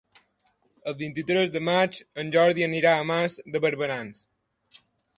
El vint-i-tres de maig en Jordi anirà a Mas de Barberans.